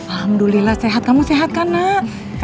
alhamdulillah sehat kamu sehat kan nak